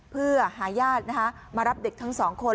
เพื่อหาญาติมารับเด็กทั้งสองคน